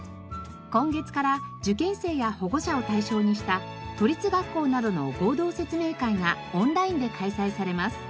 今月から受験生や保護者を対象にした都立学校などの合同説明会がオンラインで開催されます。